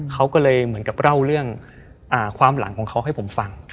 เขาก็เลยเหมือนกับเล่าเรื่องความหลังของเขาให้ผมฟัง